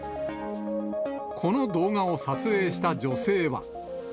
この動画を撮影した女性は。